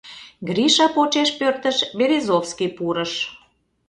Гриша почеш пӧртыш Березовский пурыш.